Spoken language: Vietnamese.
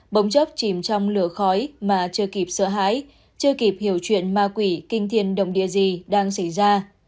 bỗng chốc chìm trong lửa khói mà chưa kịp sợ hãi chưa kịp hiểu chuyện ma quỷ kinh thiêm đồng địa gì đang xảy ra